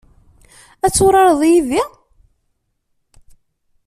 Ad turareḍ yid-i?